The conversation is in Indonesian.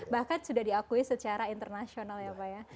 bahkan sudah diakui secara internasional ya pak ya